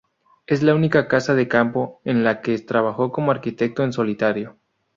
Es la única casa de campo en la que trabajó como arquitecto en solitario.